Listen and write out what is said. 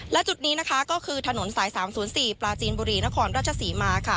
และจุดนี้นะคะก็คือถนนสายสามศูนย์สี่ปลาจินบุรีนของราชสีมาค่ะ